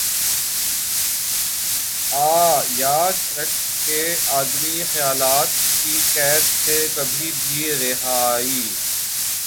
آ۔ یاد رکھ کہ آدمی خیالات کی قید سے کبھی بھی رہائ